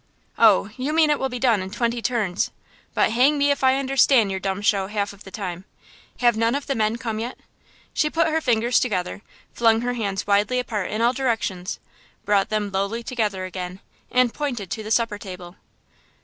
"Oh, you mean it will be done in twenty turns; but hang me if I understand your dumb show half the time! Have none of the men come yet?" She put her fingers together, flung her hands widely apart in all directions, brought them lowly together again and pointed to the supper table.